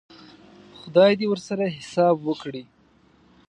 خدای دې ورسره حساب وکړي.